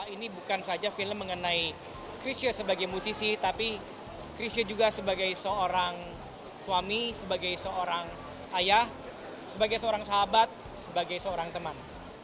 ini bukan saja film mengenai krisha sebagai musisi tapi krisha juga sebagai seorang suami sebagai seorang ayah sebagai seorang sahabat sebagai seorang teman